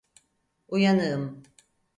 Uyanığım.